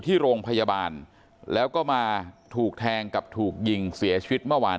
ที่โรงพยาบาลแล้วก็มาถูกแทงกับถูกยิงเสียชีวิตเมื่อวาน